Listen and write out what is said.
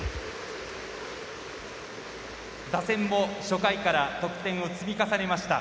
打線も、初回から得点を積み重ねました。